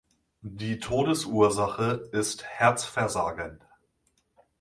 Die Todesursache ist Herzversagen.